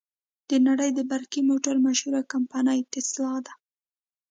د نړې د برقی موټرو مشهوره کمپنۍ ټسلا ده.